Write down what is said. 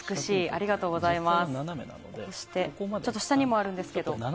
ありがとうございます。